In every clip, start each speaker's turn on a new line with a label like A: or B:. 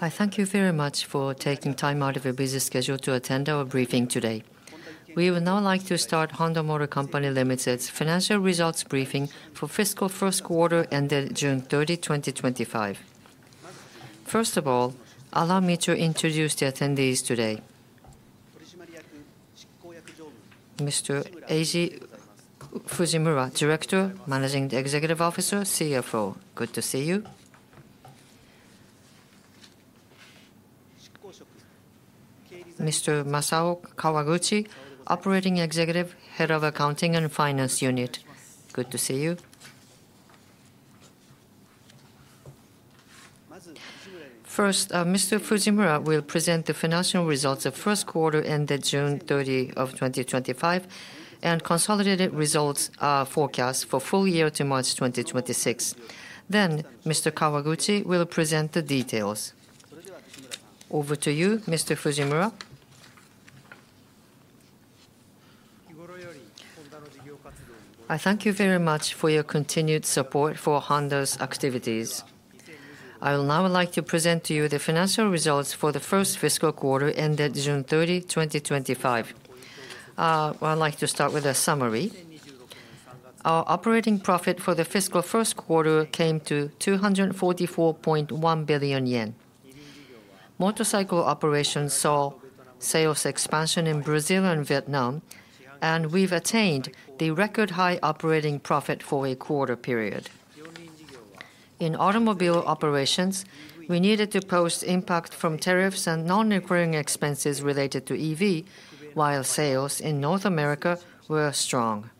A: I thank you very much for taking time out of your busy schedule to attend our briefing today. We would now like to start Honda Motor Co, Ltd's financial results briefing for fiscal first quarter ended June 30th, 2025. First of all, allow me to introduce the attendees today. Mr. Eiji Fujimura, Director, Managing Executive Officer, CFO. Good to see you. Mr. Masao Kawaguchi, Operating Executive, Head of Accounting and Finance Unit. Good to see you. First, Mr. Fujimura will present the financial results of first quarter ended June 30th, 2025 and consolidated results forecast for full year to March 2026. Mr. Kawaguchi will present the details over to you. Mr. Fujimura,
B: I thank you very much for your continued support for Honda's activities. I will now like to present to you the financial results for the first fiscal quarter ended June 30th, 2025. I'd like to start with a summary. Our operating profit for the fiscal first quarter came to 244.1 billion yen. Motorcycle operations saw sales expansion in Brazil and Vietnam, and we've attained the record high operating profit for a quarter period in automobile operations. We needed to post impact from tariffs and nonrecurring expenses related to evidence. While sales in North America were strong,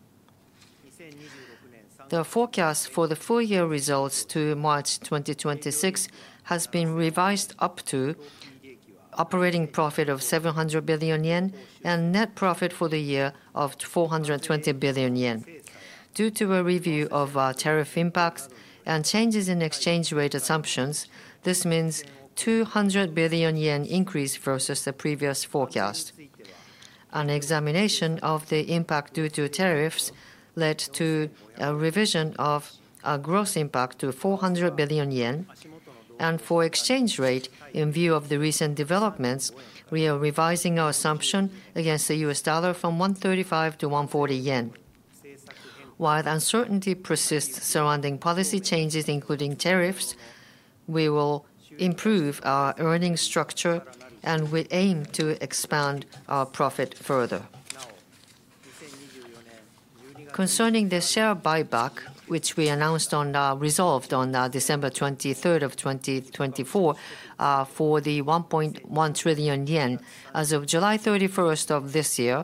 B: the forecast for the full year results to March 2026 has been revised up to operating profit of 700 billion yen and net profit for the year of 420 billion yen. Due to a review of tariff impacts and changes in exchange rate assumptions. This means 200 billion yen increase versus the previous forecast. An examination of the impact due to tariffs led to a revision of a gross impact to 400 billion yen and for exchange rate. In view of the recent developments, we are revising our assumption against the U.S. dollar from 135 to 140 yen. While uncertainty persists surrounding policy changes including tariffs, we will improve our earnings structure and we aim to expand our profit further. Concerning the share buyback, which we announced and resolved on December 23rd, 2024 for the 1.1 trillion yen, as of July 31st of this year,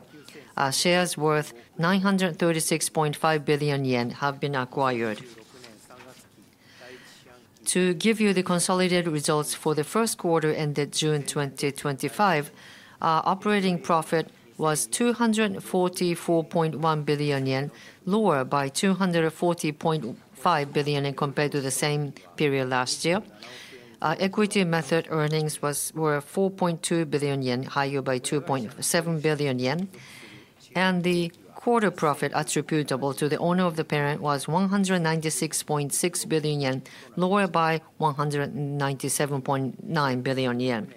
B: shares worth 936.5 billion yen have been acquired. To give you the consolidated results for the first quarter ended June 2025, operating profit was 244.1 billion yen, lower by 240.5 billion yen compared to the same period last year. Equity method earnings were 4.2 billion yen, higher by 2.7 billion yen, and the quarter profit attributable to the owner of the parent was 196.6 billion yen, lowered by JPY 1. 197.9 billion yen.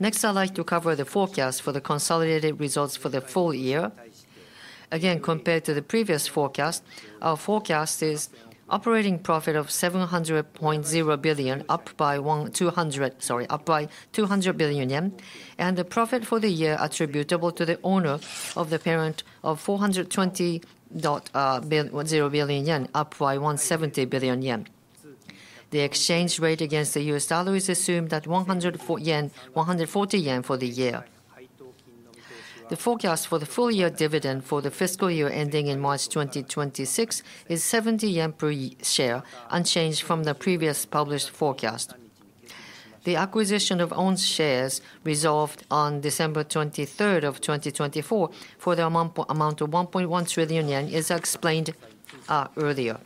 B: Next, I'd like to cover the forecast for the consolidated results for the full year. Again, compared to the previous forecast, our forecast is operating profit of 700.0 billion yen, up by 200 billion yen. The profit for the year attributable to the owner of the parent is 420.0 billion yen, up by 170 billion yen. The exchange rate against the U.S. dollar is assumed at 140 yen for the year. The forecast for the full year dividend for the fiscal year ending in March 2026 is 70 yen per share, unchanged from the previous published forecast. The acquisition of own shares resolved on December 23rd, 2024, for the amount of 1.1 trillion yen is as explained earlier.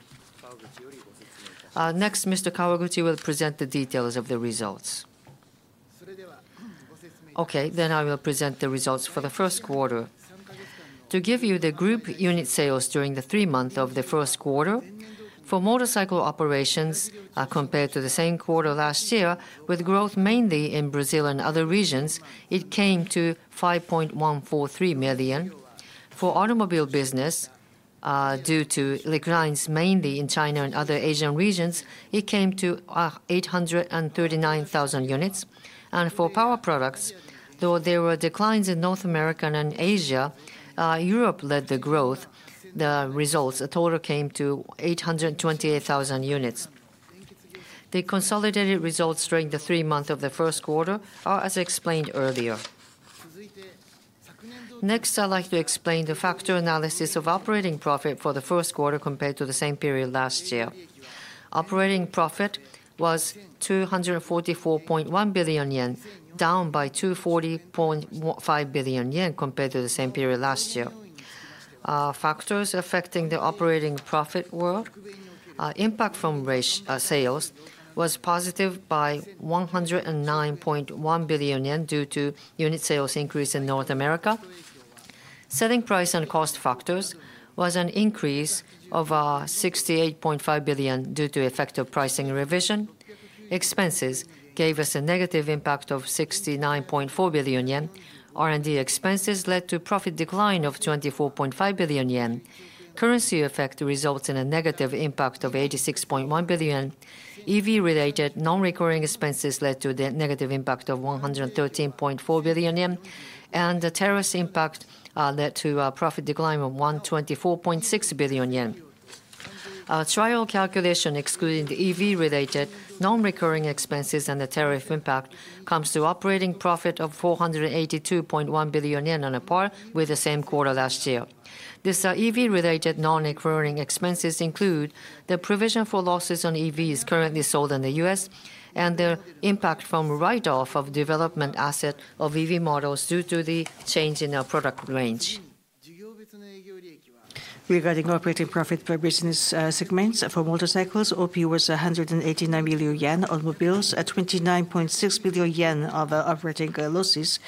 B: Next, Mr. Kawaguchi will present the details of the results.
C: Okay, then I will present the results for the first quarter to give you the group. Unit sales during the three months of the first quarter for motorcycle operations, compared to the same quarter last year, with growth mainly in Brazil and other regions, came to 5.143 million. For automobile business, due to declines mainly in China and other Asian regions, it came to 839,000 units. For power products, though there were declines in North America and Asia, Europe led the growth. The total came to 828,000 units. The consolidated results during the three months of the first quarter as explained earlier. Next, I'd like to explain the factor analysis of operating profit for the first quarter compared to the same period last year. Operating profit was JPY 244.1 billion down by 240.5 billion yen compared to the same period last year. Factors affecting the operating profit were impact from sales, which was positive by 1,109.1 billion yen due to unit sales increase. In North America, selling price and cost factors was an increase of 68.5 billion due to effective pricing. Revision expenses gave us a negative impact of 69.4 billion yen. R&D expenses led to profit decline of 24.5 billion yen. Currency effect resulted in a negative impact of 86.1 billion yen. EV-related non-recurring expenses led to the negative impact of 113.4 billion yen. The tariffs impact led to a profit decline of 124.6 billion yen. Trial calculation excluding the EV-related non-recurring expenses and the tariffs impact comes to operating profit of 482.1 billion yen, on a par with the same quarter last year. This EV-related non-accruing expenses include the provision for losses on EVs currently sold in the U.S. and the impact from write-off of development asset of EV models due to the change in our product range. Regarding operating profit per business segments for motorcycles, operating profit was 189 billion yen, automobiles 29.6 billion yen of operating losses,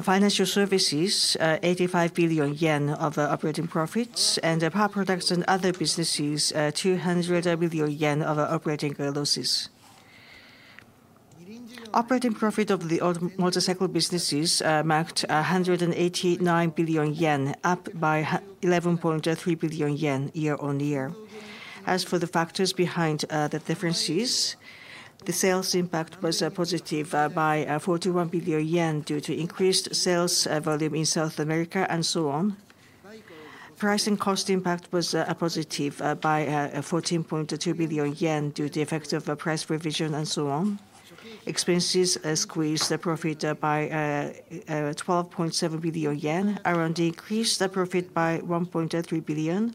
C: financial services 85 billion yen of operating profits, and power products and other businesses 200 billion yen of operating losses. Operating profit of the motorcycle businesses marked 189 billion yen, up by 11.3 billion yen year on year. As for the factors behind the differences, the sales impact was positive by 41 billion yen due to increased sales volume in South America and so on. Pricing cost impact was positive by 14.2 billion yen due to the effect of price revision and so on. Expenses squeezed profit by 12.7 billion yen, around decreased profit by 1.3 billion,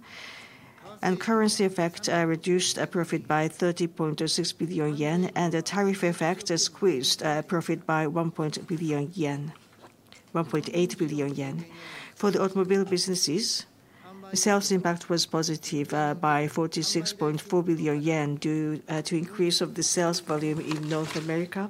C: and currency effect reduced profit by 30.6 billion yen. The tariff effect squeezed profit by 1.8 billion yen. For the automobile businesses, the sales impact was positive by 46.4 billion yen due to increase of the sales volume in North America.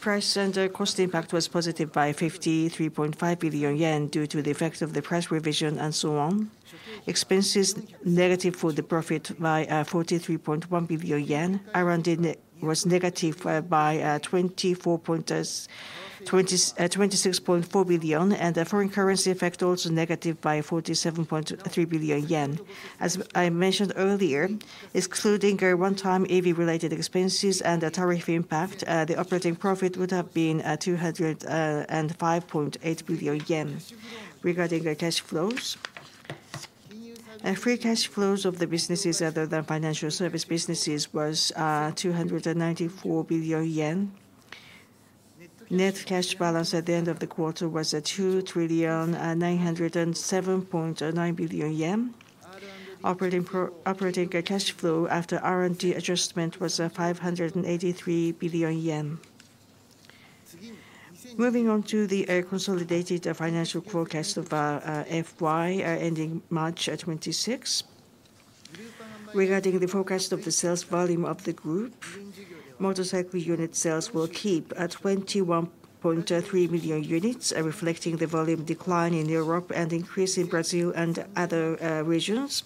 C: Price and cost impact was positive by 53.5 billion yen due to the effects of the price revision and so on. Expenses negative for the profit by 43.1 billion yen, around was negative by 26.4 billion, and the foreign currency effect also negative by 47.3 billion yen. As I mentioned earlier, excluding one-time EV-related expenses and a tariff impact, the operating profit would have been 205.8 billion yen. Regarding the cash flows, free cash flows of the businesses other than financial service businesses was 294 billion yen. Net cash balance at the end of the quarter was 2,907.9 billion yen. Operating cash flow after R&D adjustment was 583 billion yen. Moving on to the consolidated financial forecast of FY ending March 2026, regarding the forecast of the sales volume of the group, motorcycle unit sales will keep at 21.3 million units reflecting the volume decline in Europe and increase in Brazil and other regions.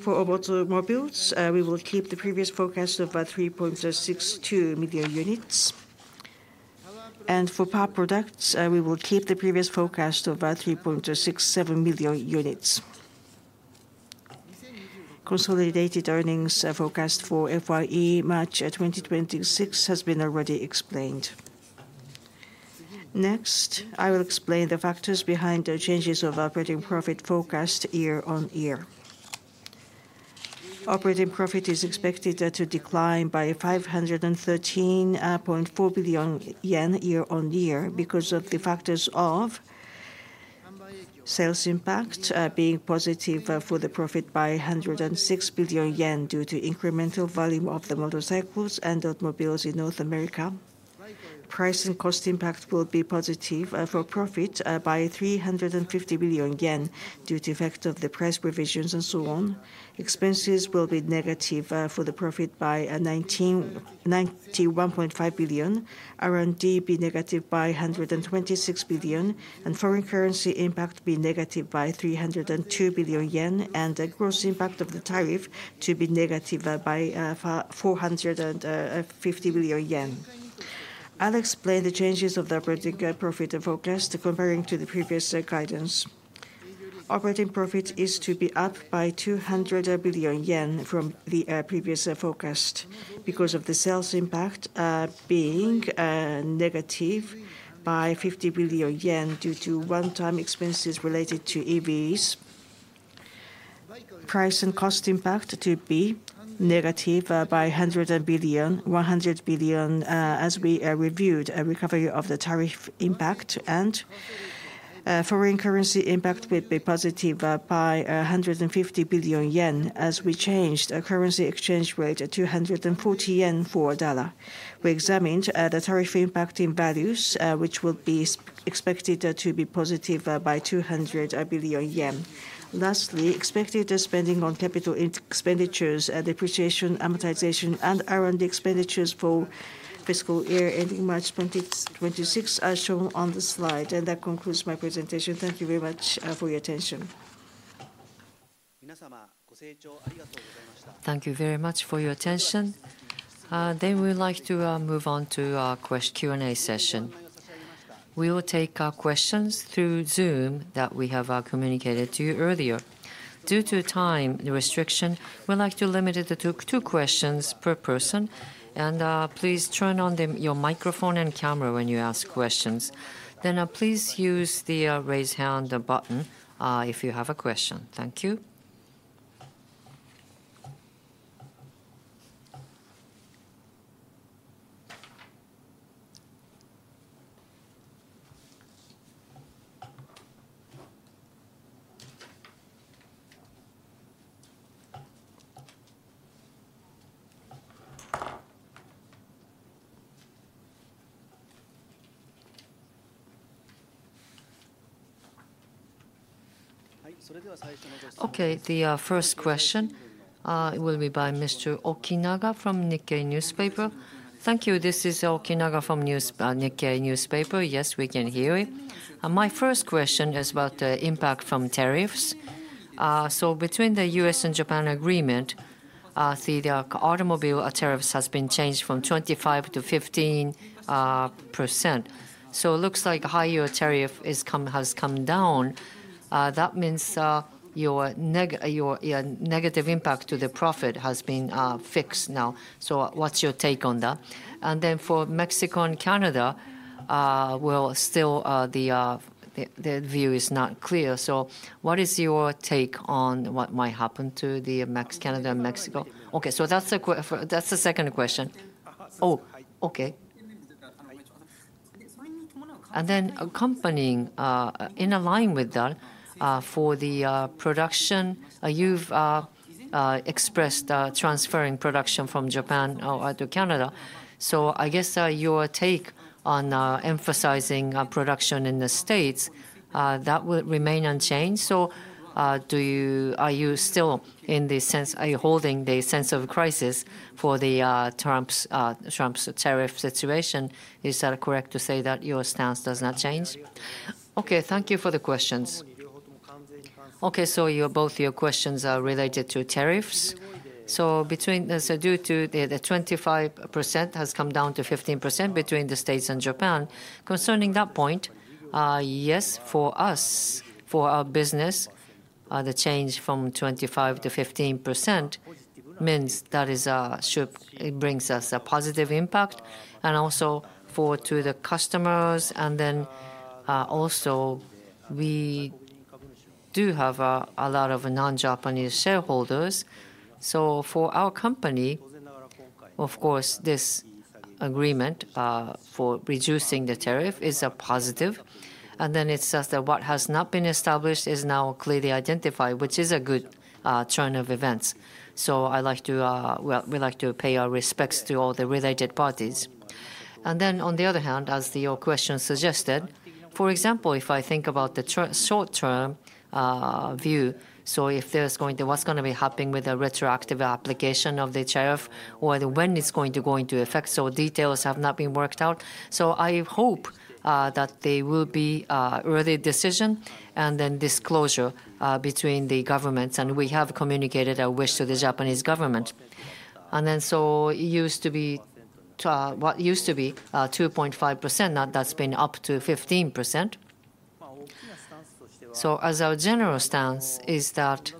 C: For automobiles, we will keep the previous forecast of about 3.062 million units and for power products we will keep the previous forecast of 3.67 million units. Consolidated earnings forecast for FYE March 2026 has been already explained. Next, I will explain the factors behind the changes of operating profit forecast year on year. Operating profit is expected to decline by 513.4 billion yen year on because of the factors of sales impact being positive for the profit by 106 billion yen due to incremental volume of the motorcycles and automobiles in North America. Price and cost impact will be positive for profit by 350 billion yen due to effect of the price provisions and so on. Expenses will be negative for the profit by 1,991.5 billion. R&D be negative by 126 billion and foreign currency impact being negative by 302 billion yen and the gross impact of the tariff to be negative by 450 billion yen. I'll explain the changes of the operating profit forecast comparing to the previous guidance. Operating profit is to be up by 200 billion yen from the previous forecast because of the sales impact being negative by 50 billion yen due to one time expenses related to EVs, price and cost impact to be negative by 100 billion. As we reviewed, recovery of the tariff impact and foreign currency impact will be positive by 150 billion yen. As we changed currency exchange rate 240 yen for a dollar, we examined the tariff impact in which will be expected to be positive by 200, I believe on yen. Lastly, expected spending on capital expenditures, depreciation, amortization and R&D expenditures for fiscal year ending March 2026 are shown on the slide. That concludes my presentation. Thank you very much for your attention.
B: Thank you very much for your attention. We would like to move on to our Q&A session. We will take our questions through Zoom that we have communicated to you earlier. Due to time restriction, we would like to limit it to two questions per person. Please turn on your microphone and camera when you ask questions. Please use the raise hand button if you have a question. Thank you. It.
A: Okay, the first question will be by Mr. Okinaga from Nikkei Newspaper. Thank you.
D: This is Okinaga from Nikkei Newspaper. Yes, we can hear you. My first question is about the impact from tariffs. Between the U.S. and Japan agreement, the automobile tariffs have been changed from 25% to 15%. It looks like the higher tariff has come down. That means your negative impact to the profit has been fixed now. What's your take on that? For Mexico and Canada, the view is not clear. What is your take on what might happen to Canada and Mexico? Accompanying and in alignment with that for the production, you've expressed transferring production from Japan to Canada. I guess your take on emphasizing production in the States would remain unchanged. Are you still in the sense, are you holding the sense of crisis for the Trump's tariff situation? Is that correct to say that your stance does not change? Thank you for the questions.
B: Both your questions are related to tariffs. Due to the 25% has come down to 15% between the States and Japan. Concerning that point, yes, for us, for our business, the change from 25% to 15% means that brings us a positive impact and also for the customers. We do have a lot of non-Japanese shareholders. For our company, of course, this agreement for reducing the tariff is a positive, and it says that what has not been established is now clearly identified, which is a good turn of events. We like to pay our respects to all the related parties. On the other hand, as your question suggested, for example, if I think about the short-term view, if there's going to be what's going to be happening with the retroactive application of the tariff or when it's going to go into effect, details have not been worked out. I hope that there will be early decision and disclosure between the governments, and we have communicated a wish to the Japanese government. It used to be what used to be 2.5%, now that's been up to 15%. As our general stance is that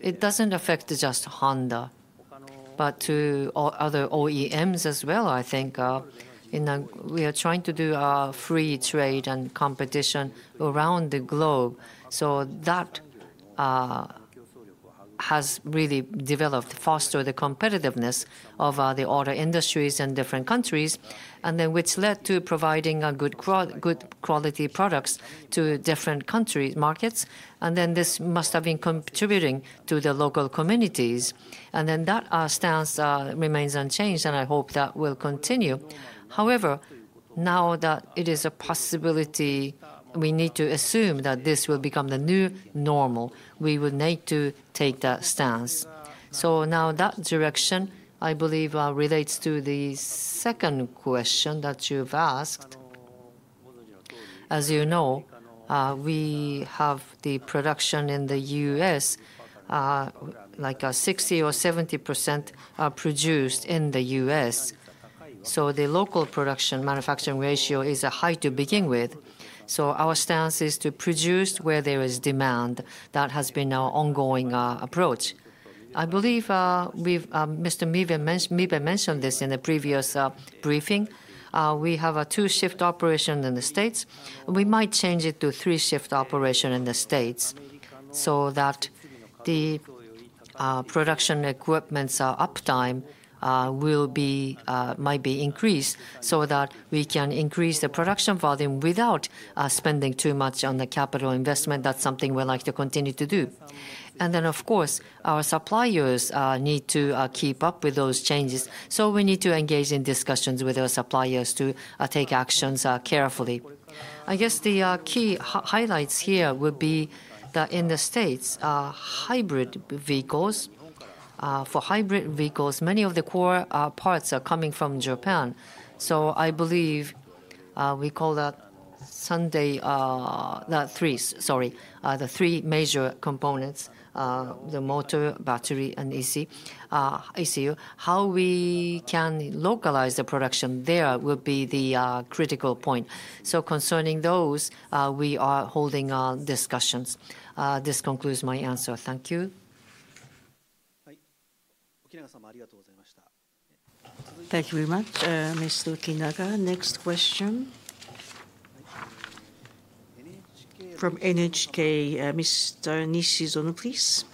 B: it doesn't affect just Honda but other OEMs as well. I think we are trying to do free trade and competition around the globe, and so that has really developed, fostered the competitiveness of the other industries in different countries, which led to providing good quality products to different countries' markets. This must have been contributing to the local communities, and that stance remains unchanged, and I hope that will continue. However, now that it is a possibility, we need to assume that this will become the new normal. We would need to take that stance. I believe that direction relates to the second question that you've asked. As you know, we have the production in the U.S., like 60% or 70% are produced in the U.S., so the local production manufacturing ratio is high to begin with. Our stance is to produce where there is demand. That has been our ongoing approach. I believe Mr. Mibe mentioned this in the previous briefing. We have a two-shift operation in the U.S. We might change it to a three-shift operation in the U.S. so that the production equipment's uptime might be increased, and we can increase the production volume without spending too much on the capital investment. That's something we'd like to continue to do. Of course, our suppliers need to keep up with those changes, so we need to engage in discussions with our suppliers to take actions carefully. I guess the key highlights here would be that in the U.S., for hybrid vehicles, many of the core parts are coming from Japan. I believe we call that the three major components: the motor, battery, and ECU. How we can localize the production there will be the critical point. Concerning those, we are holding discussions. This concludes my answer. Thank you.
A: Thank you very much. Next question from NHK, Mr. Nishizono, please.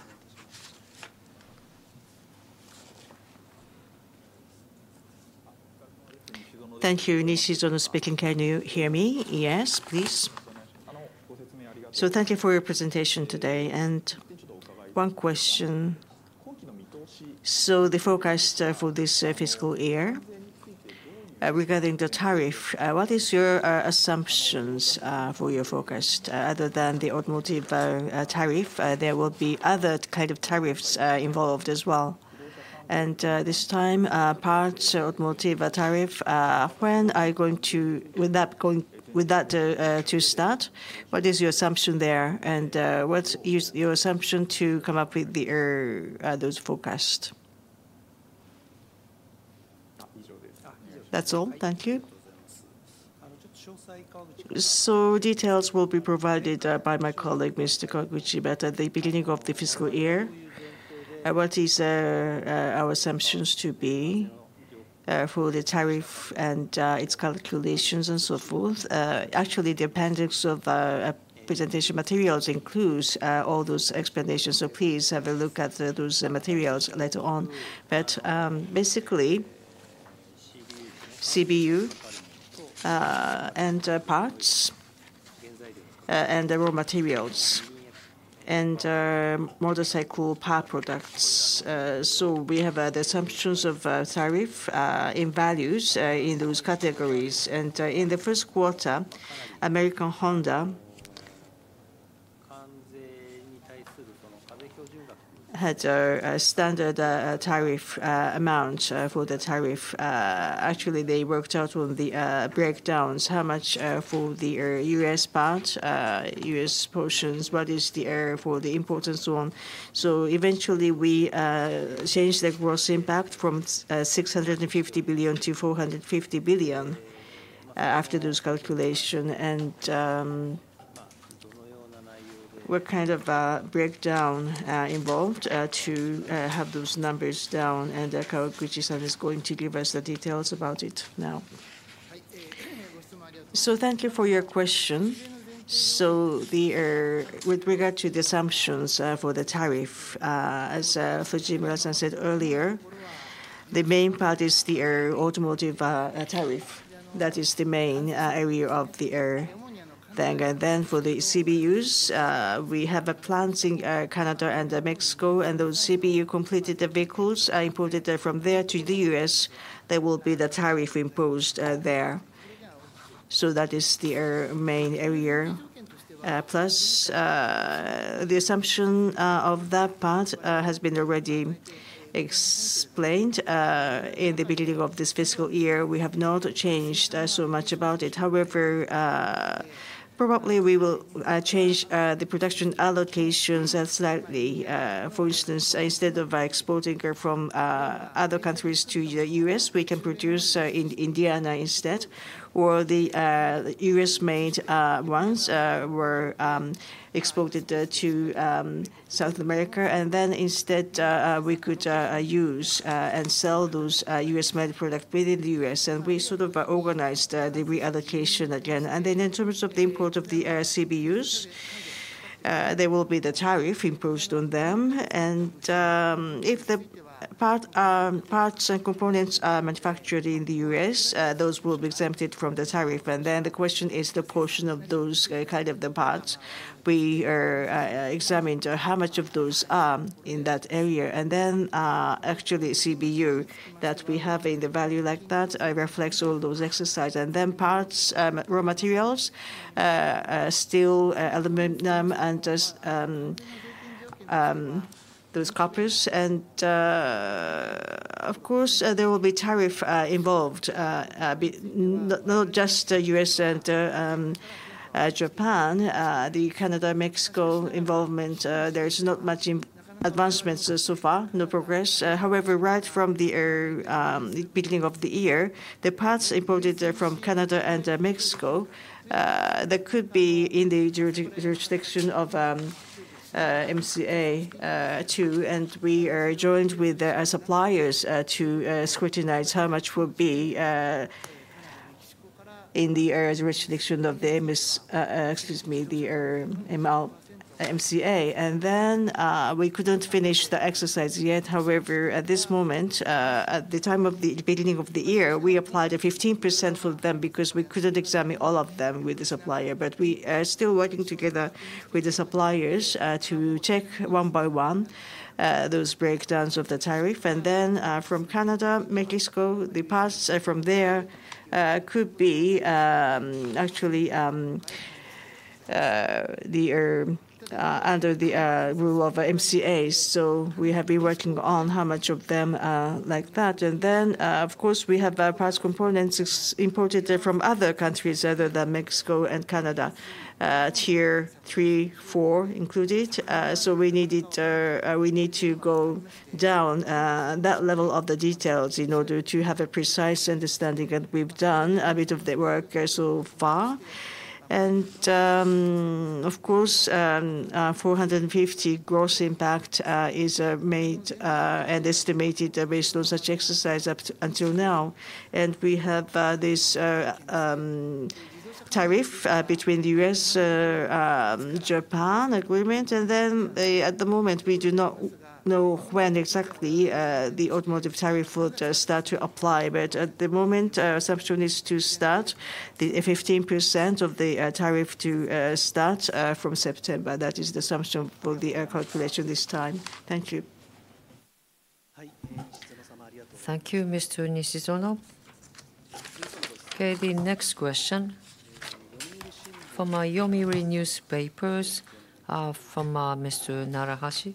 A: Thank you.
E: Nishizono speaking. Can you hear me? Yes, please. Thank you for your presentation today. One question. The forecast for this fiscal year regarding the tariff, what is your assumption for your forecast? Other than the automotive tariff, will there be other kinds of tariffs involved as well? This time, part tariff, when are you going to end up going to with that to start? What is your assumption there and what's your assumption to come up with those forecasts? That's all, thank you. Details will be provided by my colleague Mr. Kawaguchi. At the beginning of the fiscal year, what are our assumptions for the tariff and its calculations and so forth?
B: The appendix of the presentation materials includes all those explanations, so please have a look at those materials later on. Basically, CBU and parts and the raw materials and motorcycle power products, we have the assumptions of tariff in values in those categories. In the first quarter, American Honda had a standard tariff amount for the tariff. They worked out the breakdowns, how much for the U.S. part, U.S. portions, what is the area for the important ones. Eventually, we changed the gross impact from 650 billion to 450 billion after those calculations and what kind of breakdown was involved to have those numbers down. He is going to give us the details about it now.
C: Thank you for your question. With regard to the assumptions for the tariff, as Fujimura-san said earlier, the main part is the automotive tariff. That is the main area of the tariff. For the CBUs, we have plants in Canada and Mexico, and those CBU completed vehicles are imported from there to the U.S., there will be the tariff imposed there. That is the main area. The assumption of that part has been already explained. In the budget of this fiscal year, we have not changed so much about it. However, probably we will change the production allocations slightly. For instance, instead of exporting from other countries to the U.S., we can produce in Indiana instead, or the U.S.-made ones were exported to South America. Instead, we could use and sell those U.S.-made products within the U.S., and we organized the reallocation again. In terms of the import of the CBUs, there will be the tariff imposed on them. If the parts and components are manufactured in the U.S., those will be exempted from the tariff. The question is the portion of those kinds of parts; we examined how much of those are in that area. Actually, CBU that we have in the value like that reflects all those exercises. Parts, materials, steel, aluminum, and those coppers. Of course, there will be tariff involved, not just the U.S. and Japan. The Canada, Mexico involvement, there is not much advancement so far, no progress. However, right from the beginning of the year, the parts imported from Canada and Mexico could be in the jurisdiction of USMCA. We are joined with suppliers to scrutinize how much will be in the jurisdiction of the USMCA. We couldn't finish the exercise yet. However, at this moment, at the time of the beginning of the year, we applied a 15% for them because we couldn't examine all of them with the supplier. We are still working together with the suppliers to take one by one those breakdowns of the tariff. From Canada, Mexico, the parts from there could be actually under the rule of USMCA. We have been working on how much of them like that. Of course, we have price components imported from other countries other than Mexico and Canada, tier 3, tier 4 included. We need to go down that level of the details in order to have a precise understanding. We've done a bit of the work so far. Of course, 450 million gross impact is made and estimated based on such exercise up until now. We have this tariff between the U.S.-Japan agreement, and at the moment we do not know when exactly the automotive tariff would start to apply. At the moment, assumption is to start the 15% of the tariff to start from September. That is the assumption for the calculation this time. Thank you.
A: Hi, thank you Mr. Nishizono. Okay, the next question from Yomiuri newspapers from Mr. Narahashi.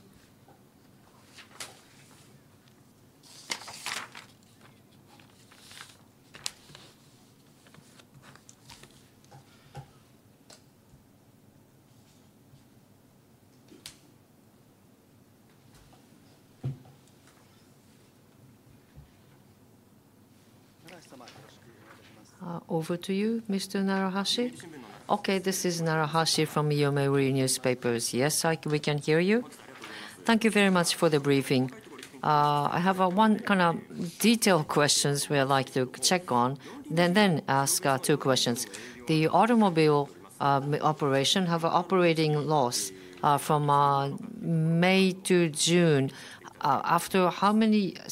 A: Over to you. Mr. Narahashi.
F: Okay, this is Narahashi from Yomiuri newspapers. Yes, we can hear you. Thank you very much for the briefing. I have one kind of detailed question we'd like to check on, then ask two questions. The automobile operation had an operating loss from May to June.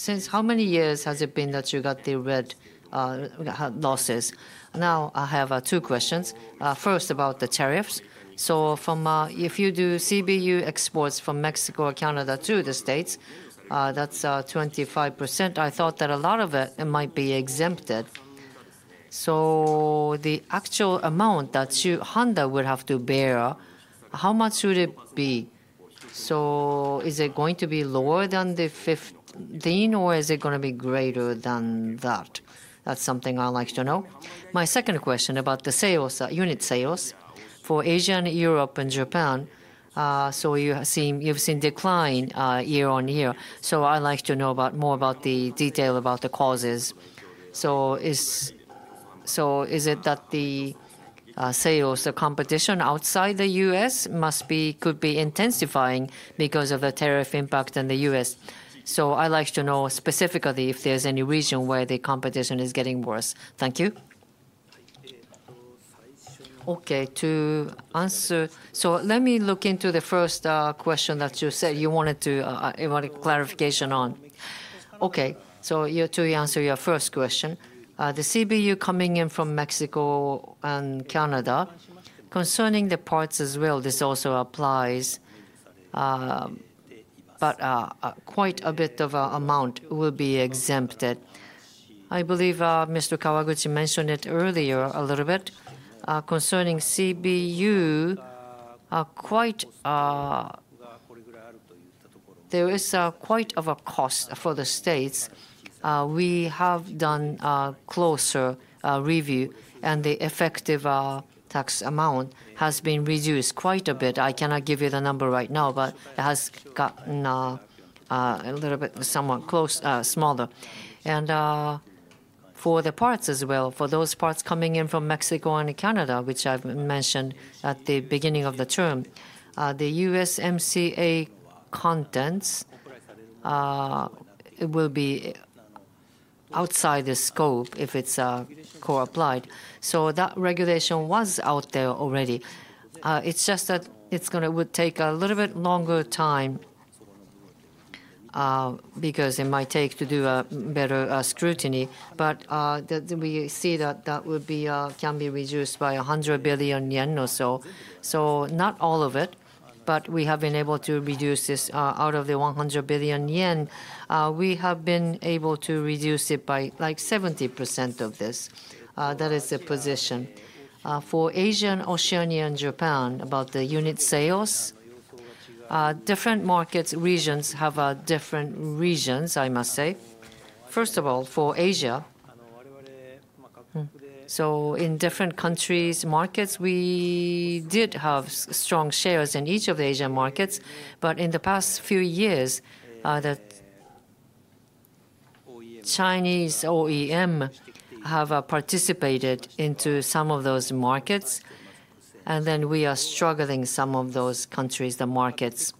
F: Since how many years has it been that you got the red losses? Now I have two questions. First, about the tariffs. If you do CBU exports from Mexico or Canada to the United States, that's 25%. I thought that a lot of it might be exempted. The actual amount that Honda would have to bear, how much would it be? Is it going to be lower than the 15% or is it going to be greater than that? That's something I'd like to know. My second question is about the sales unit sales for Asia and Europe and Japan. You've seen decline year on year. I'd like to know more about the detail about the causes. Is it that the sales, the competition outside the U.S. could be intensifying because of the tariff impact in the U.S.? I'd like to know specifically if there's any reason where the competition is getting worse. Thank you.
B: Okay, to answer. Let me look into the first question that you said you wanted clarification on. To answer your first question, the CBU coming in from Mexico and Canada concerning the parts as well, this also applies. Quite a bit of amount will be exempted. I believe Mr. Kawaguchi mentioned it earlier a little bit concerning CBU. There is quite a cost for the United States. We have done closer review and the effective tax amount has been reduced quite a bit. I cannot give you the number right now, but it has gotten a little bit smaller. For the parts as well, for those parts coming in from Mexico and Canada, which I mentioned at the beginning of the term, the USMCA contents, it will be outside the scope if it's co-applied. That regulation was out there already. It's just that it's going to take a little bit longer time because it might take to do a better scrutiny. We see that can be reduced by 100 billion yen or so. Not all of it, but we have been able to reduce this. Out of the 100 billion yen, we have been able to reduce it by like 70% of this. That is the position for Asia and Oceania and Japan about the unit sales. Different markets, regions have different regions. I must say first of all for Asia. In different countries' markets, we did have strong shares in each of Asian markets. In the past few years, the Chinese OEM have participated into some of those markets, and we are struggling in some of those countries' markets.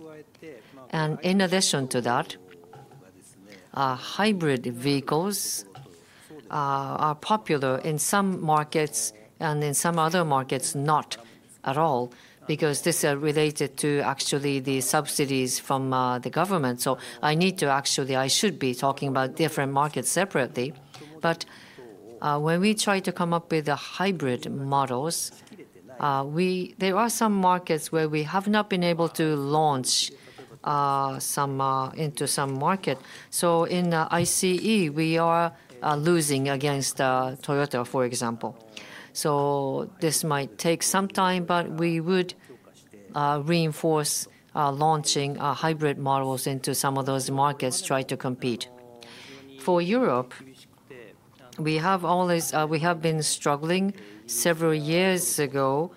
B: In addition to that, hybrid vehicles are popular in some markets and in some other markets not at all. This is related to actually the subsidies from the government. I need to actually, I should be talking about different markets separately. When we try to come up with the hybrid models, there are some markets where we have not been able to launch some into some market. In ICE we are losing against Toyota, for example. This might take some time, but we would reinforce launching hybrid models into some of those markets, try to compete. For Europe, we have been struggling. Several years ago,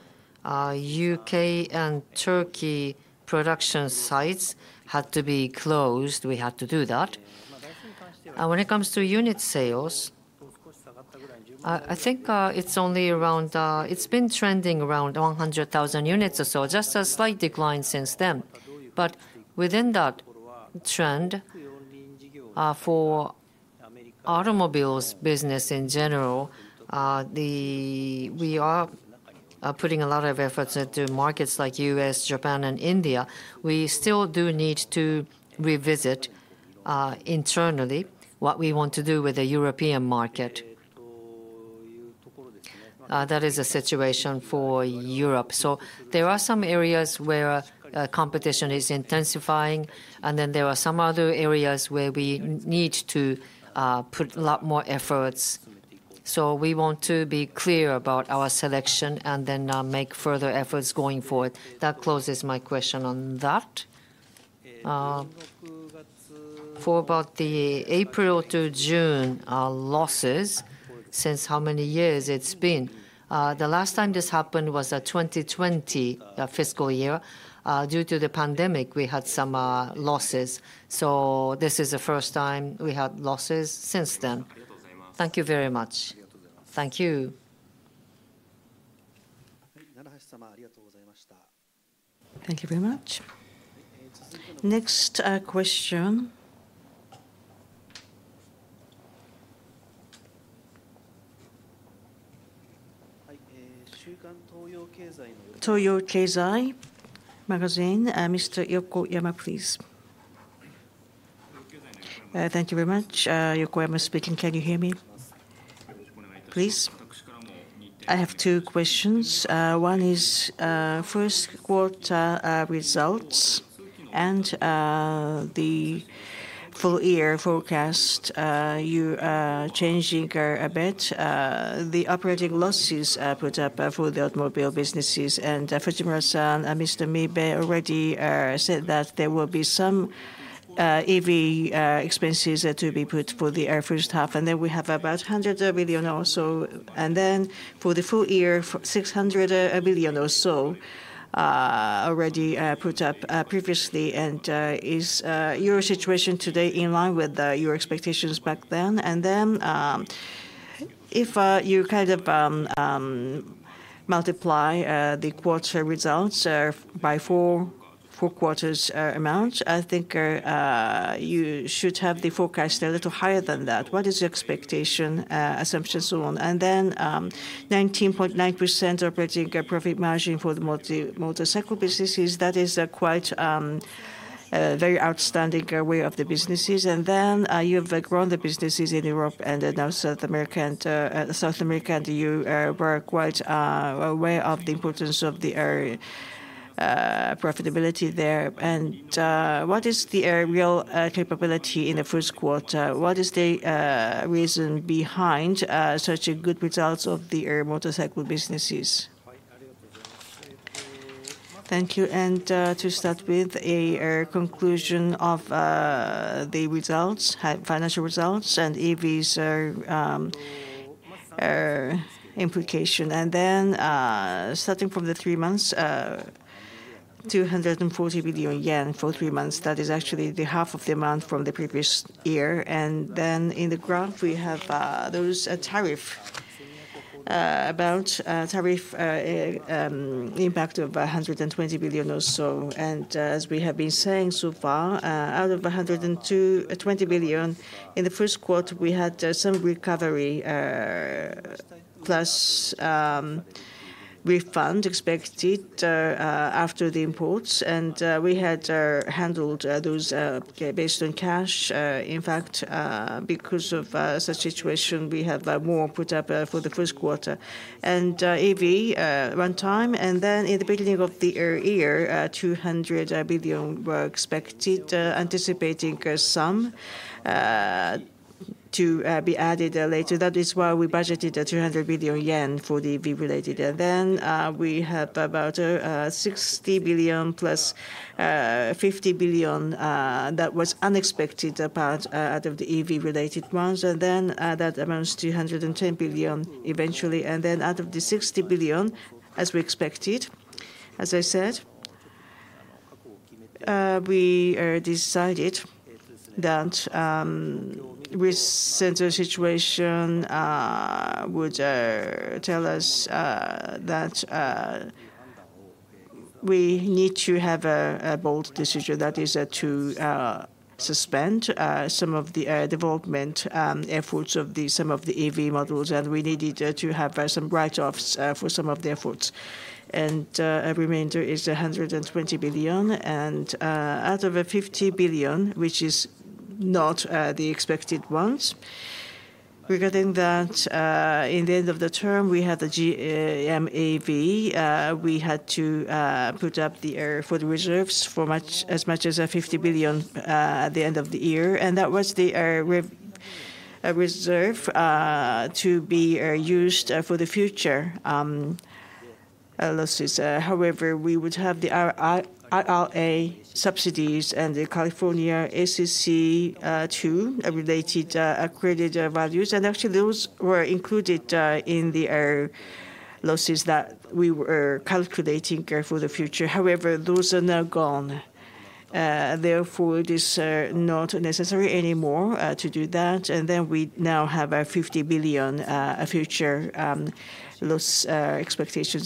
B: U.K. and Turkey production sites had to be closed. We had to do that. When it comes to unit sales, I think it's only around, it's been trending around 100,000 units or so, just a slight decline since then. Within that trend for automobiles business in general, we are putting a lot of efforts into markets like U.S., Japan, and India. We still do need to revisit internally what we want to do with the European market. That is a situation for Europe. There are some areas where competition is intensifying and there are some other areas where we need to put a lot more efforts. We want to be clear about our selection and then make further efforts going forward. That closes my question on that. For about the April to June losses, since how many years it's been. The last time this happened was the 2020 fiscal year due to the pandemic. We had some losses. This is the first time we had losses since then. Thank you very much. Thank you.
A: Thank you very much. Next question. Toyo Keizai magazine. Mr. Yokoyama, please. Thank you very much. Yokoyama speaking. Can you hear me please? I have two questions. One is first quarter results and the full year forecast. You are changing a bit. The operating losses are put up for the automobile businesses and Fujimura-san. Mr. Mibe already said that there will be some EV expenses to be put for the first half. We have about 100 million also. For the full year, 600 billion or so already put up previously. Is your situation today in line with your expectations back then? If you kind of multiply the quarter results by four, I think you should have the forecast a little higher than that. What is the expectation assumptions alone and then 19.9% operating profit margin for the motorcycle businesses? That is quite very outstanding way of the businesses. You have grown the businesses in Europe and now South America and South America. You were quite aware of the importance of the profitability there. What is the aerial capability in the first quarter? What is the reason behind such good results of the motorcycle businesses? Thank you.
B: To start with a conclusion of the results, financial results and EVs implication. Starting from the three months, 240 billion yen for three months. That is actually half of the amount from the previous year. In the grant we have those tariffs, about tariff impact of 120 billion or so. As we have been saying so far, out of 120 billion in the first quarter we had some recovery plus refund expected after the imports and we had handled those based on cash. In fact, because of such situation we have more put up for the first quarter and EV one time. In the beginning of the year, 200 billion were expected, anticipating some to be added later. That is why we budgeted 300 billion yen for the EV-related. Then we have about 60 billion + 50 billion that was unexpected out of the EV-related ones. That amounts to 110 billion eventually. Out of the 60 billion as we expected. As I said, we decided that recent situation would tell us that we need to have a bold decision that is to suspend some of the development efforts of some of the EV models. We needed to have some write offs for some of their votes. A remainder is 120 billion and out of a 50 billion which is not the expected ones. Regarding that, in the end of the term, we had the GMAV, we had to put up the reserves for as much as 50 billion at the end of the year. That was the reserve to be used for the future. However, we would have the IRA subsidies and the California ACC2-related accredited values. Actually, those were included in the losses that we were calculating for the future. However, those are now gone. Therefore, it is not necessary anymore to do that. We now have a 50 billion future loss expectation.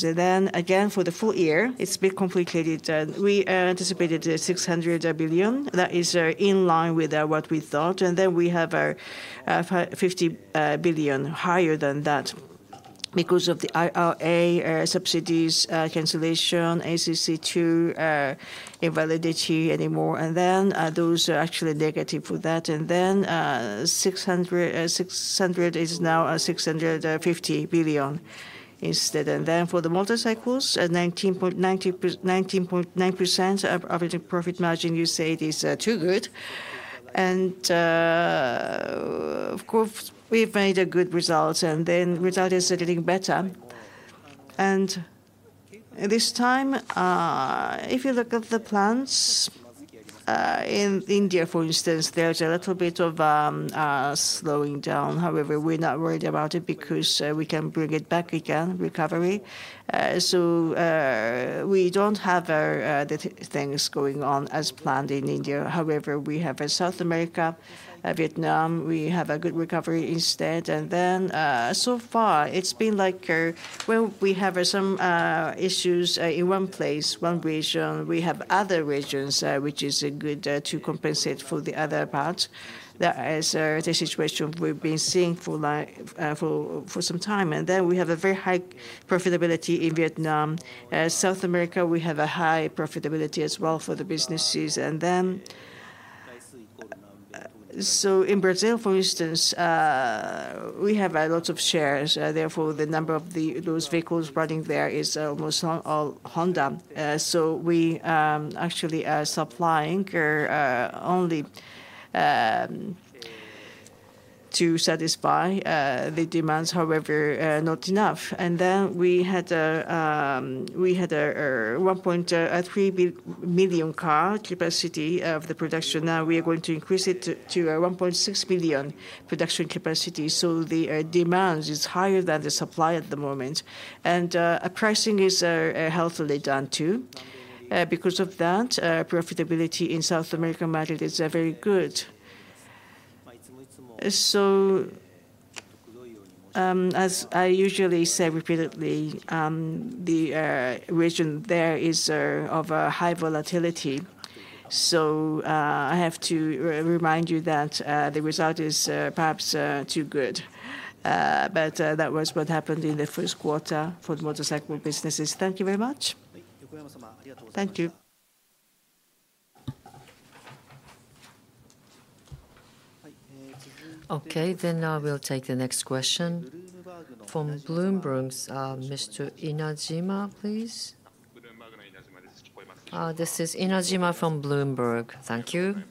B: For the full year, it's been complicated. We anticipated 600 billion, that is in line with what we thought. We have 50 billion higher than that because of the IRA subsidies cancellation, ACC2 invalidity anymore. Those are actually negative for that. 600 billion is now 650 billion instead. For the motorcycles, 19.9% profit margin you said is too good. Of course, we've made a good result and the result is getting better. This time, if you look at the plants in India, for instance, there's a little bit of slowing down. However, we're not worried about it because we can bring it back again, recovery. We don't have the things going on as planned in India. However, we have South America, Vietnam, we have a good recovery instead. So far, it's been like when we have some issues in one place, one region, we have other regions, which is good to compensate for the other part. That is the situation we've been seeing for some time. We have a very high profitability in Vietnam. In South America, we have a high profitability as well for the businesses. In Brazil, for instance, we have a lot of shares. Therefore, the number of those vehicles running there is almost all Honda. We actually are supplying only to satisfy the demands. However, not enough. We had 1.3 million car capacity of the production. Now we are going to increase it to 1.6 million production capacity. The demand is higher than the supply at the moment. Pricing is healthily done too. Because of that, profitability in the South American market is very good. So. As I usually say repeatedly, the region there is of a high volatility. I have to remind you that the result is perhaps too good, but that was what happened in the first quarter for the motorcycle businesses. Thank you very much. Thank you.
A: Okay, then we'll take the next question from Bloomberg's Mr. Inajima, please.
G: This is Inajima from Bloomberg. Thank you.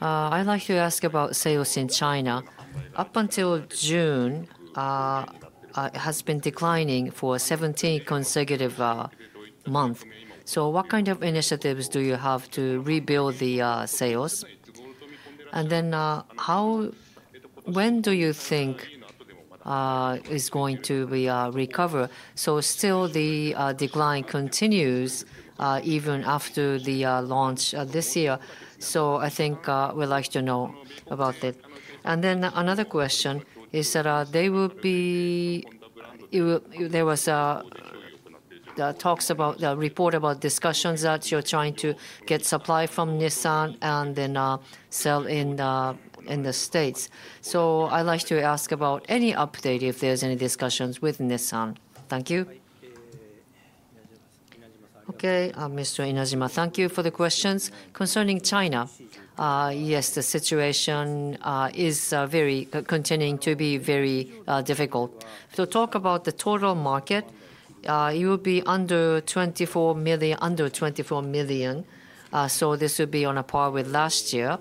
G: I'd like to ask about sales in China up until June has been declining for 17 consecutive months. What kind of initiatives do you have to rebuild the sales and then when do you think it is going to recover? The decline continues even after the launch this year. I think we'd like to know about it. Another question is that there was a report about discussions that you're trying to get supply from Nissan and then sell in the States. I'd like to ask about any update if there's any discussions with Nissan. Thank you.
B: Okay. Mr. Inajima, thank you for the questions concerning China. Yes, the situation is continuing to be very difficult. To talk about the total market, it will be under 24 million. This would be on a par with last year.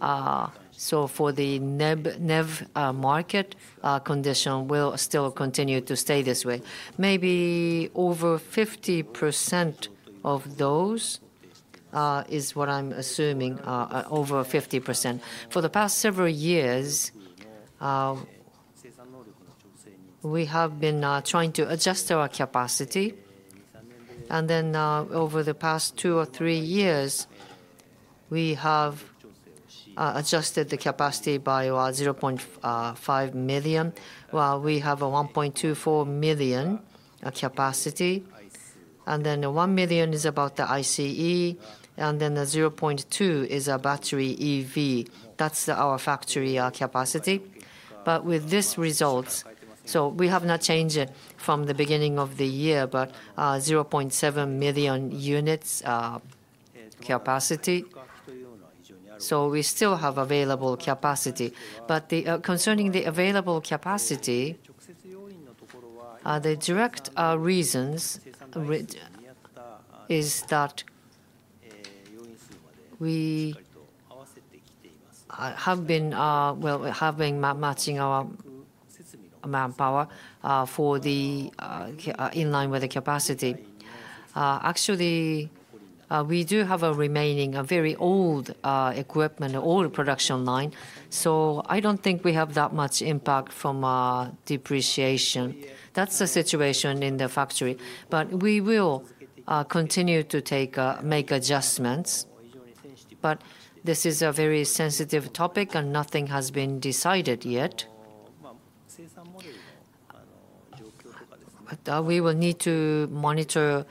B: For the NEV market, the condition will still continue to stay this way. Maybe over 50% of those is what I'm assuming, over 50%. For the past several years, we have been trying to adjust our capacity and then over the past two or three years we have adjusted the capacity by 0.5 million, while we have a 1.24 million capacity. Then 1 million is about the ICE and the 0.2 is a battery EV. That's our factory capacity. With these results, we have not changed it from the beginning of the year, but 0.7 million units capacity. We still have available capacity. Concerning the available capacity, the direct reason is that we have been matching our manpower in line with the capacity. Actually, we do have remaining very old equipment oil production line. I don't think we have that much impact from depreciation. That's the situation in the factory. We will continue to make adjustments. This is a very sensitive topic and nothing has been decided yet. We will need to monitor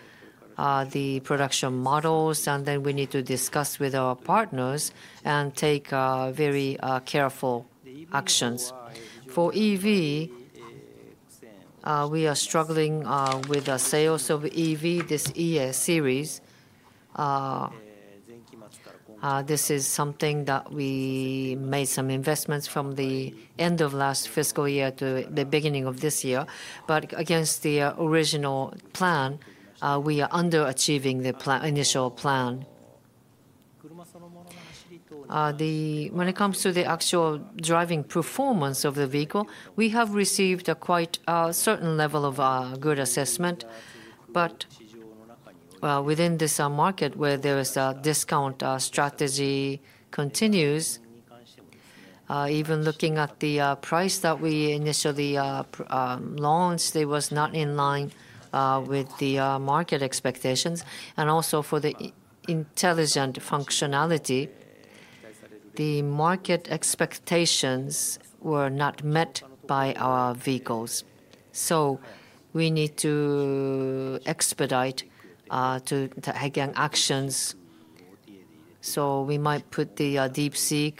B: the production models and we need to discuss with our partners and take very careful actions for EV. We are struggling with the sales of EV this year series. This is something that we made some investments from the end of last fiscal year to the beginning of this year. Against the original plan, we are underachieving the initial plan. When it comes to the actual driving performance of the vehicle, we have received a quite certain level of good assessment. Within this market where there is a discount strategy, it continues. Even looking at the price that we initially launched, it was not in line with the market expectations. Also, for the intelligent functionality, the market expectations were not met by our vehicles. We need to expedite Hagyang actions. We might put the deep sea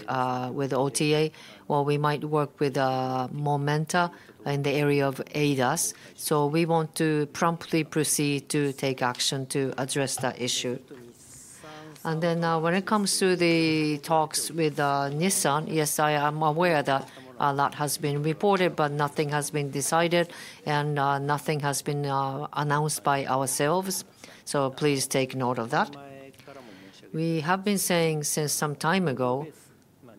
B: with OTA or we might work with Momenta in the area of ADAS. We want to promptly proceed to take action to address that issue. When it comes to the talks with Nissan Motor Co., yes, I am aware that a lot has been reported, but nothing has been decided and nothing has been announced by ourselves. Please take note of that. We have been saying since some time ago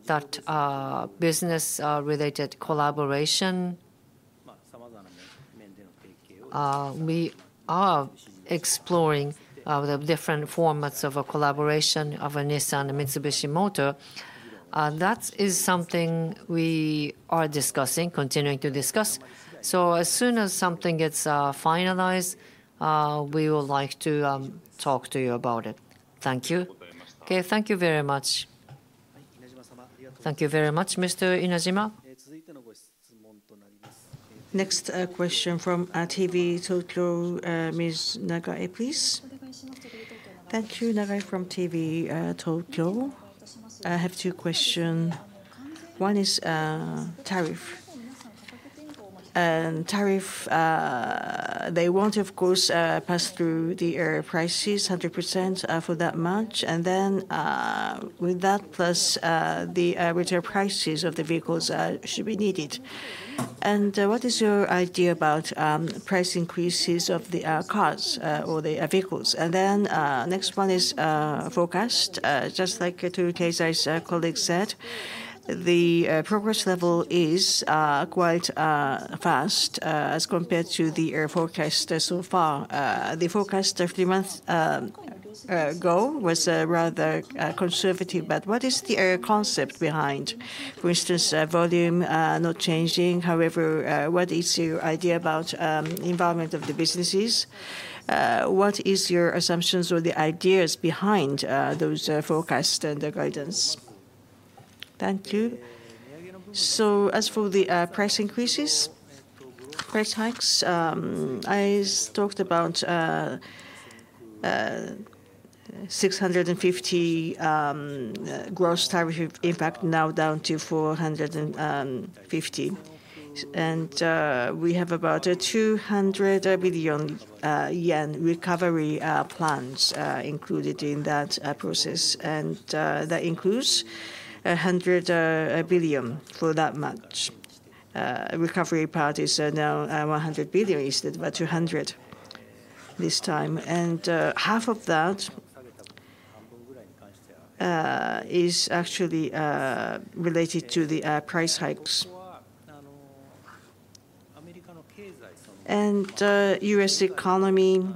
B: that business-related collaboration, we are exploring the different formats of a collaboration with Nissan Motor Co. and Mitsubishi Motors. That is something we are continuing to discuss. As soon as something gets finalized, we would like to talk to you about it. Thank you. Okay, thank you very much. Thank you very much, Mr. Inajima.
A: Next question from TV Tokyo. Ms. Nagai, please. Thank you. Nagai from TV Tokyo. I have two questions. One is tariff. Tariff. They won't of course pass through the prices 100% for that much. With that plus the retail prices of the vehicles should be needed. What is your idea about price increases of the cars or the vehicles? Next one is forecast. Just like Taizai's colleague said, the progress level is quite fast as compared to the forecast so far. The forecast three months ago was rather conservative. What is the concept behind, for instance, volume not changing? However, what is your idea about involvement of the businesses? What are your assumptions or the ideas behind those forecasts and the guidance? Thank you.
B: As for the price increases, price hikes, I talked about 650 billion gross tariff impact, now down to 400 billion. We have about 200 billion yen recovery plans included in that process. That includes 100 billion for that much recovery part, which is now 100 billion instead of 200 billion this time. Half of that is actually related to the price hikes and U.S. economy,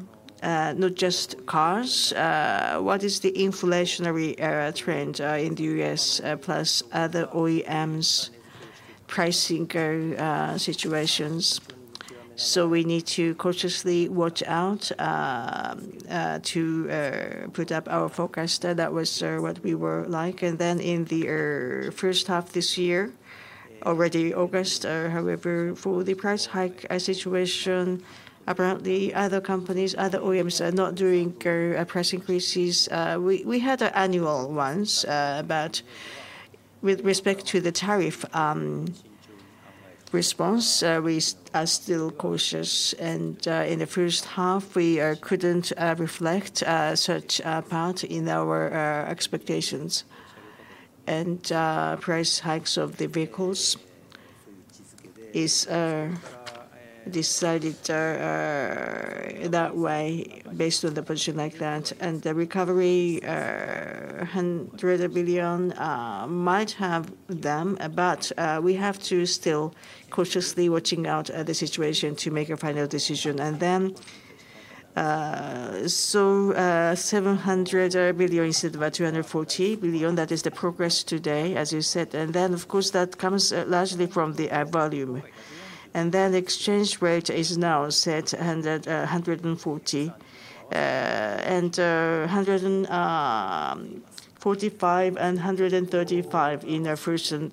B: not just cars. What is the inflationary trend in the U.S. plus other OEMs pricing situations? We need to cautiously watch out to put up our forecast. That was what we were like. In the first half this year, already August. For the price hike situation, apparently other companies, other OEMs are not doing price increases. We had annual ones. With respect to the tariff response, we are still cautious. In the first half, we couldn't reflect such part in our expectations. Price hikes of the vehicles are decided that way based on the position like that. The recovery 100 billion might have them, but we have to still cautiously watch out the situation to make a final decision. Then 700 billion instead of 240 billion, that is the probability progress today as you said. That comes largely from the volume. The exchange rate is now set 140 and 145 and 135 in first and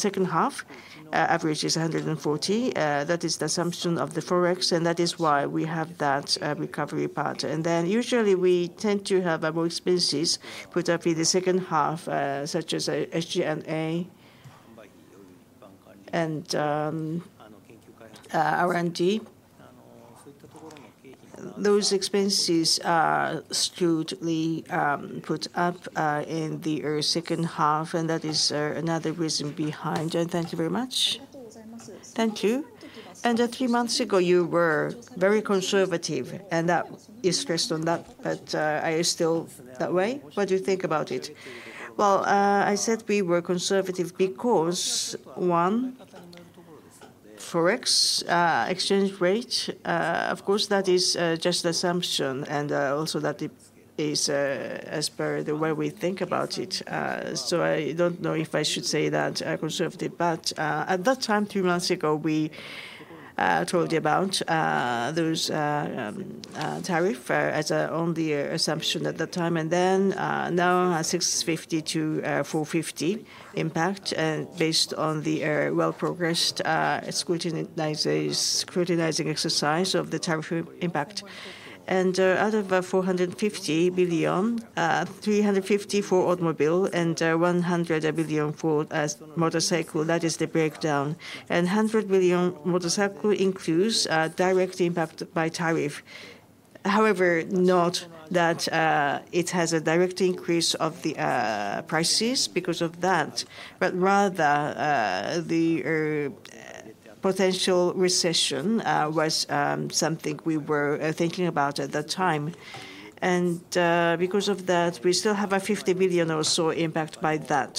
B: second half, average is 140. That is the assumption of the foreign exchange rates and that is why we have that recovery part. Usually, we tend to have more expenses put up in the second half such as SG&A and R&D costs. Those expenses are steadily put up in the second half. That is another reason behind. Thank you very much. Thank you. Three months ago you were very conservative. That is stress on that. I still, what do you think about it? I said we were conservative because one foreign exchange rate. Of course, that is just assumption, and also that is as per the way we think about it. I don't know if I should say that conservative, but at that time three months ago we told you about those tariffs as only assumption at the time. Now, 650 billion to 450 billion impact based on the well progressed scrutinizing exercise of the tariff impact. Out of 450 billion, 350 billion for automobile and 100 billion for motorcycle. That is the breakdown. 100 billion motorcycle includes direct impact by tariff. However, not that it has a direct increase of the prices because of that, but rather the potential recession was something we were thinking about at that time. Because of that, we still have a 50 billion or so impact by that.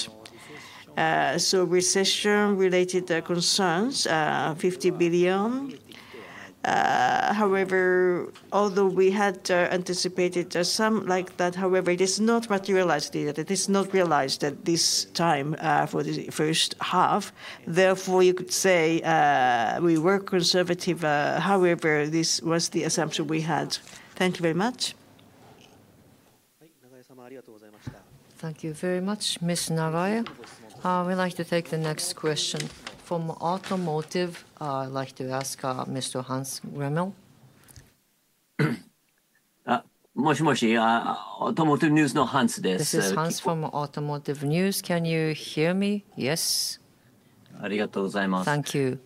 B: Recession related concerns, JPY 50 billion. Although we had anticipated some like that, it is not materialized. It is not realized at this time for the first half. Therefore, you could say we were conservative. However, this was the assumption we had. Thank you very much.
A: Thank you very much. Ms. Nagai, we'd like to take the next question from Automotive. I'd like to ask Mr. Hans Greimel. Automotive News.
H: Hans, this is Hans from Automotive News. Can you hear me? Yes, thank you.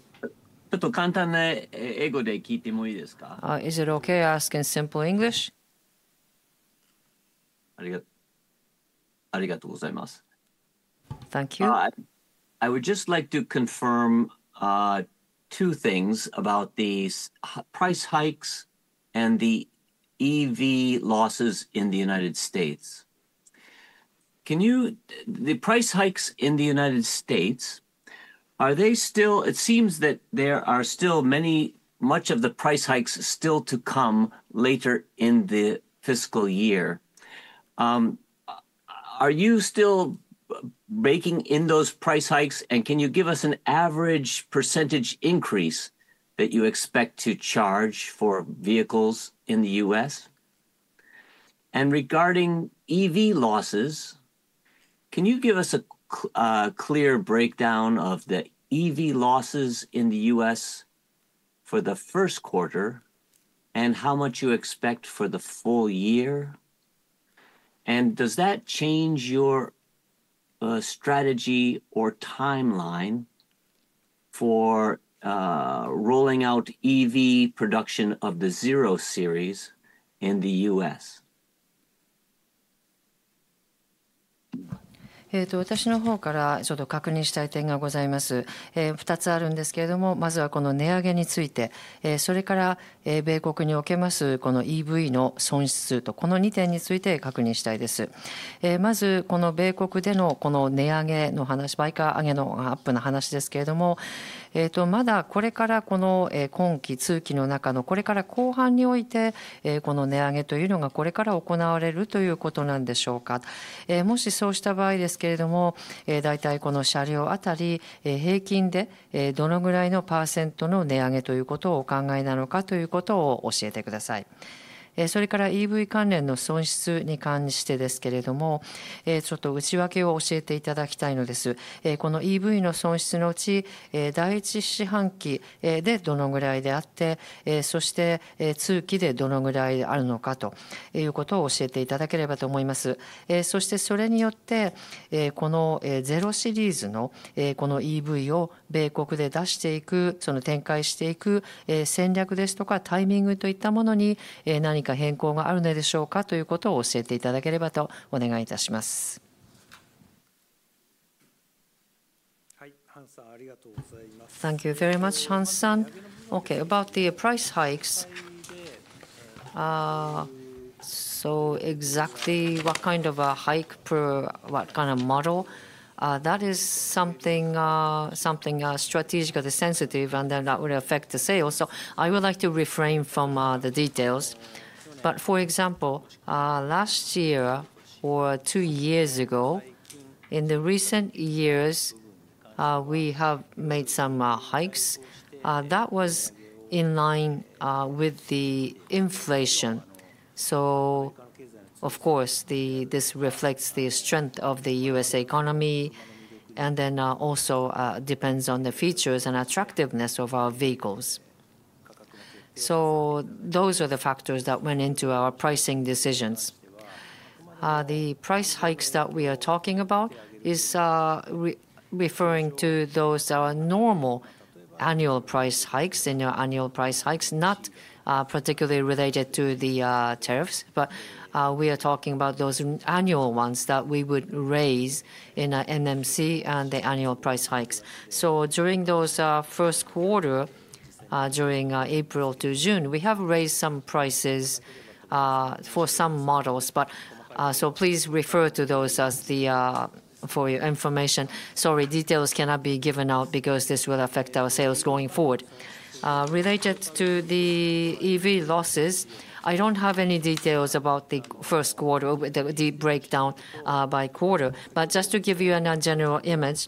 H: Is it okay? Ask in simple English. Thank you. I would just like to confirm two things about these price hikes and the EV losses in the United States. Can you, the price hikes in the United States, are they still, it seems that there are still many, much of the price hikes still to come later in the fiscal year. Are you still making in those price hikes and can you give us an average percentage increase that you expect to charge for vehicles in the United States, and regarding EV losses, can you give us a clear breakdown of the EV losses in the United States for the first quarter and how much you expect for the full year, and does that change your strategy or timeline for rolling out EV production of the zero series in the United States.
B: Thank you very much. Okay, about the price hikes, exactly what kind of a hike per what kind of model, that is something strategically sensitive and that would affect the sales. I would like to refrain from the details. For example, last year or two years ago, in recent years we have made some hikes that were in line with the inflation. Of course, this reflects the strength of the U.S. economy and also depends on the features and attractiveness of our vehicles. Those are the factors that went into our pricing decisions. The price hikes that we are talking about are referring to those that are normal annual price hikes, not particularly related to the tariffs, but we are talking about those annual ones that we would raise in NMC and the annual price hikes. During the first quarter, during April to June, we have raised some prices for some models. Please refer to those for your information. Sorry, details cannot be given out because this will affect our sales going forward. Related to the EV losses, I don't have any details about the first quarter, the breakdown by quarter, but just to give you a general image,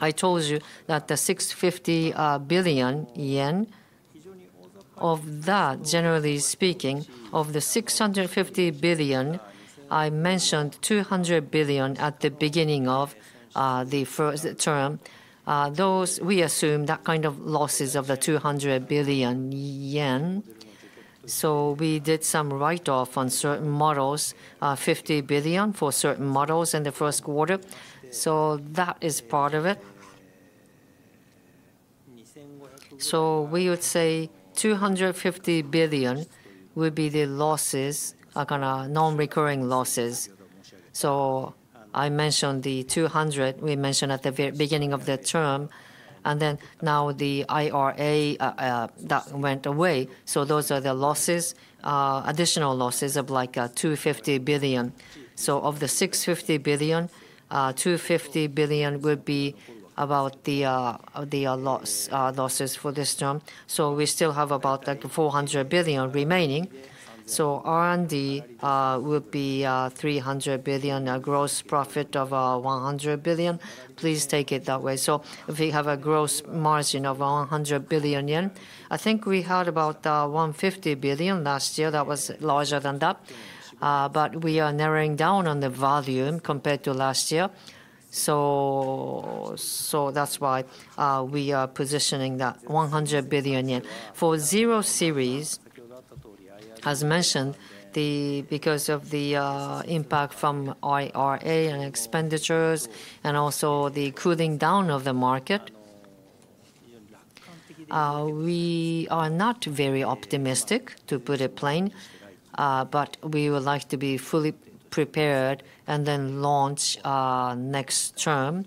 B: I told you that the 650 billion yen, generally speaking of the 650 billion, I mentioned 200 billion at the beginning of the first term. We assume that kind of losses of the 200 billion yen. We did some write-off on certain models, 50 billion for certain models in the first quarter. That is part of it. We would say 250 billion would be the losses, kind of non-recurring losses. I mentioned the 200 billion we mentioned at the very beginning of the term. Now the IRA that went away, those are the losses, additional losses of like 250 billion. Of the 650 billion, 250 billion would be about the losses for this term. We still have about 400 billion remaining. R&D will be 300 billion. Gross profit of 100 billion. Please take it that way. We have a gross margin of 100 billion yen. I think we had about 150 billion last year that was larger than that. We are narrowing down on the volume compared to last year. That is why we are positioning that 100 billion yen for zero series as mentioned because of the impact from IRA and expenditures and also the cooling down of the market. We are not very optimistic, to put it plain. We would like to be fully prepared and then launch next term.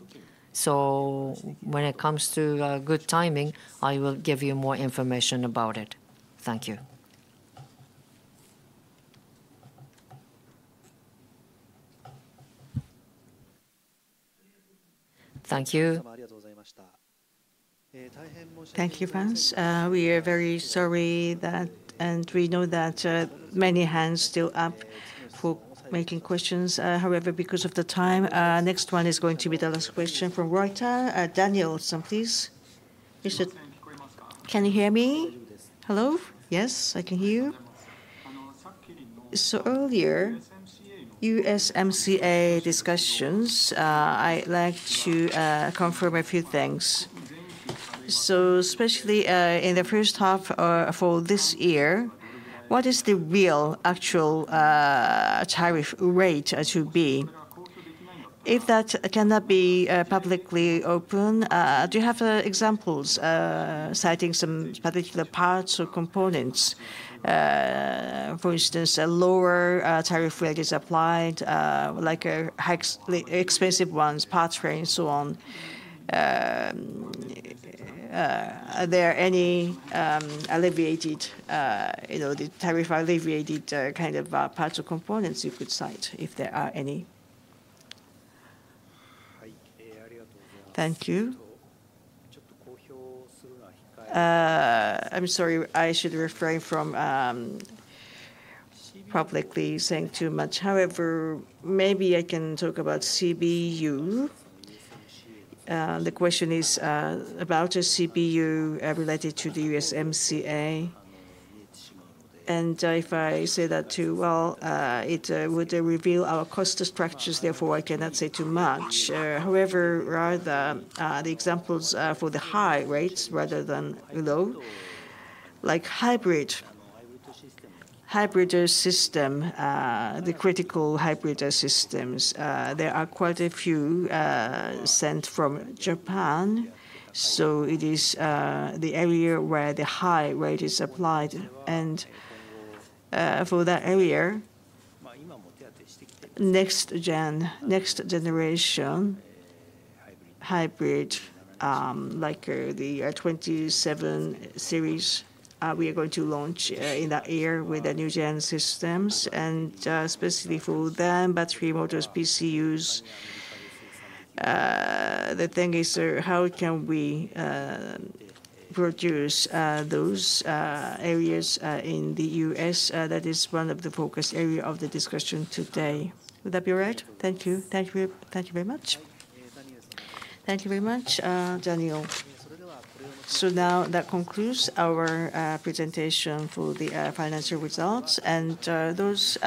B: When it comes to good timing, I will give you more information about it. Thank you. Thank you.
C: Thank you. Hans, we are very sorry that, and we know that many hands are still up for making questions. However, because of the time, the next one is going to be the last question from Reuters. Daniel, please, can you hear me?
I: Hello. Yes, I can hear you. Earlier, USMCA discussions, I'd like to confirm a few things. Especially in the first half for this year, what is the real actual tariff rate? If that cannot be publicly open, do you have examples citing some particular parts or components? For instance, a lower tariff rate is applied, like expensive ones, parts, trains, and so on. Are there any alleviated, you know, the type of alleviated kind of partial components you could cite, if there are any? Thank you.
B: I'm sorry, I should refrain from publicly saying too much. However, maybe I can talk about CBU. The question is about a CBU related to the USMCA. If I say that too well, it would reveal our cost structures. Therefore, I cannot say too much. However, rather the examples for the high rates rather than low, like hybrid, hybrid system, the critical hybrid systems, there are quite a few sent from Japan. It is the area where the high rate is applied, and for that area, next generation hybrid, like the 27 series, we are going to launch in the year with the new generation systems, and especially for them, battery motors, PCUs. The thing is, how can we produce those areas in the U.S.? That is one of the focus areas of the discussion today. Would that be right? Thank you. Thank you very much. Thank you very much, Daniel.
A: Now that concludes our presentation for the financial results, and those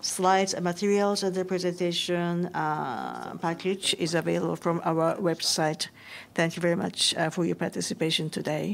A: slides, materials, and the presentation package are available from our website. Thank you very much for your participation today.